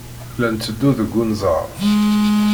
La netteddu deg unẓar.